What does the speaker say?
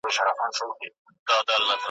چي شاعر د څرګند پیغام له ورکولو څخه ,